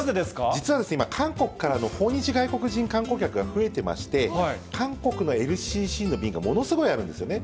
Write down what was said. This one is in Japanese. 実は今、韓国からの訪日韓国人観光客の方が増えてまして、韓国のＬＣＣの便がものすごいあるんですよね。